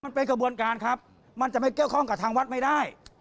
กระบวนการครับมันจะไม่เกี่ยวข้องกับทางวัดไม่ได้